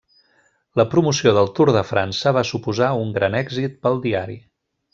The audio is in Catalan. La promoció del Tour de França va suposar un gran èxit pel diari.